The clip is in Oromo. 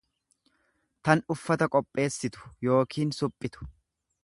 tan uffata qopheessitu yookiin suphitu.